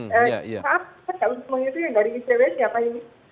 saat saat itu yang dari icw siapa ini